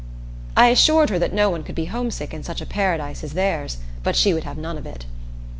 I assured her that no one could be homesick in such a paradise as theirs, but she would have none of it.